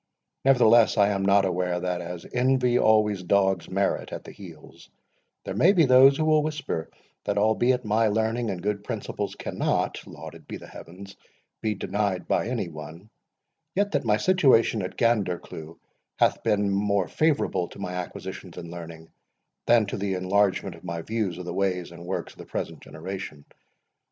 Nevertheless, I am not unaware, that, as Envy always dogs Merit at the heels, there may be those who will whisper, that albeit my learning and good principles cannot (lauded be the heavens) be denied by any one, yet that my situation at Gandercleugh hath been more favourable to my acquisitions in learning than to the enlargement of my views of the ways and works of the present generation.